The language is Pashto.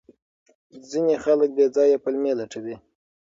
ځینې خلک بې ځایه پلمې لټوي.